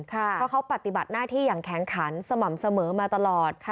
เพราะเขาปฏิบัติหน้าที่อย่างแข็งขันสม่ำเสมอมาตลอด